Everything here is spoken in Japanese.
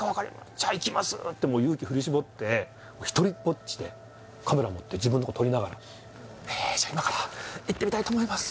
「じゃあ行きますー」ってもう勇気振り絞って独りぼっちでカメラ持って自分のこと撮りながら「えっじゃ今から行ってみたいと思います」